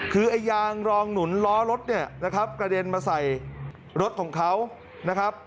คือไอ้ยางรองหนุนล้อรถเนี่ยนะครับกระเด็นมาใส่รถของเขานะครับ